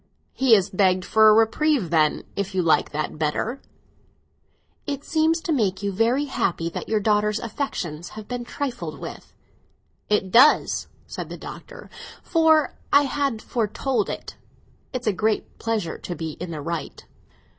"He has begged for a reprieve, then, if you like that better!" "It seems to make you very happy that your daughter's affections have been trifled with." "It does," said the Doctor; '"for I had foretold it! It's a great pleasure to be in the right."